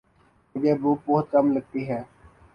مجھے بھوک بہت کم لگتی ہے